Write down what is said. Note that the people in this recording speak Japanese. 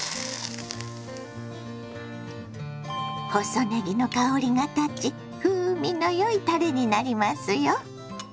細ねぎの香りが立ち風味のよいたれになりますよ。